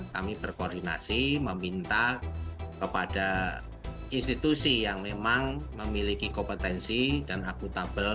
kami berkoordinasi meminta kepada institusi yang memang memiliki kompetensi dan akutabel